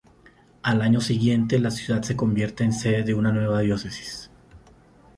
Al año siguiente la ciudad se convierte en sede de una nueva diócesis.